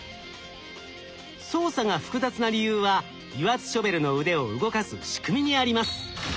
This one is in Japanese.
操作が複雑な理由は油圧ショベルの腕を動かす仕組みにあります。